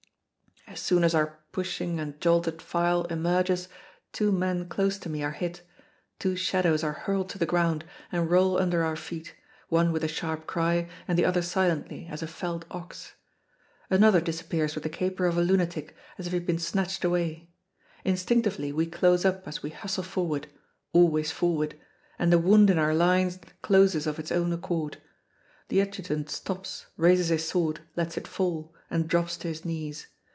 As soon as our pushing and jolted file emerges, two men close to me are hit, two shadows are hurled to the ground and roll under our feet, one with a sharp cry, and the other silently, as a felled ox. Another disappears with the caper of a lunatic, as if he had been snatched away. Instinctively we close up as we hustle forward always forward and the wound in our line closes of its own accord. The adjutant stops, raises his sword, lets it fall, and drops to his knees.